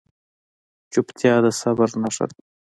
چپتیا، د صبر نښه ده.